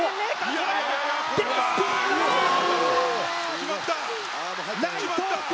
決まった！